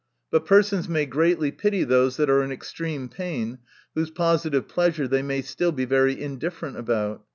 But persons may greatly pity those that are in extreme pain, whose positive pleasure they may still be very indifferent about.